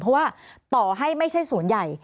เพราะว่าต่อให้ไม่ใช่ศูนย์ใหญ่